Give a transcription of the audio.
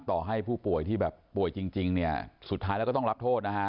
ต่อให้ผู้ป่วยที่แบบป่วยจริงเนี่ยสุดท้ายแล้วก็ต้องรับโทษนะฮะ